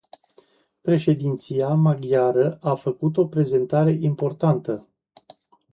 Președinția maghiară a făcut o prezentare importantă.